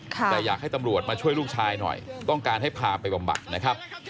แต่อยากให้ตำรวจมาช่วยลูกชายหน่อยต้องการให้พาไปบำบัดนะครับ